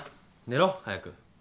寝ろ早く。